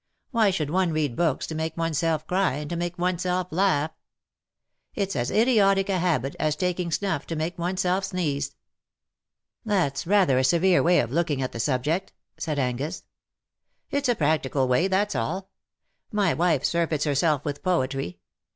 Why should one read books to make oneself cry and to make oneself laugh? It's as idiotic a habit as taking snuff to make oneself sneeze.'' " That's rather a severe way of looking at the subject/' said Angus. " It's a practical way, that's all. My wife surfeits herself with poetry.